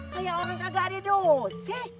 kayak orang kagak ada dos